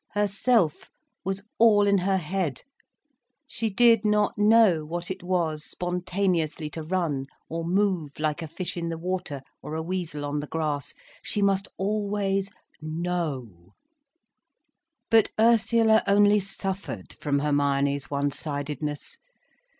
Her self was all in her head, she did not know what it was spontaneously to run or move, like a fish in the water, or a weasel on the grass. She must always know. But Ursula only suffered from Hermione's one sidedness.